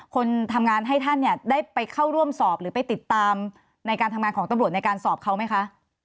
คนทำงานให้ท่านเนี่ยได้ไปเข้าร่วมสอบหรือไปติดตามในการทำงานของตำรวจในการสอบเขาไหมคะ